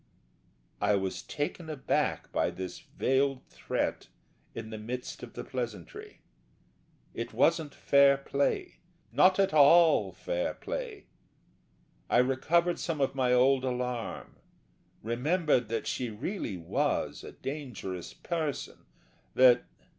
I was taken aback by this veiled threat in the midst of the pleasantry. It wasn't fair play not at all fair play. I recovered some of my old alarm, remembered that she really was a dangerous person; that